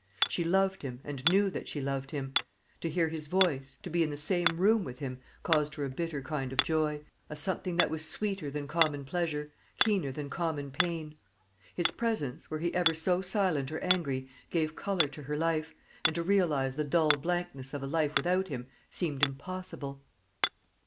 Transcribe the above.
She loved him, and knew that she loved him. To hear his voice, to be in the same room with him, caused her a bitter kind of joy, a something that was sweeter than common pleasure, keener than common pain. His presence, were he ever so silent or angry, gave colour to her life, and to realise the dull blankness of a life without him seemed impossible.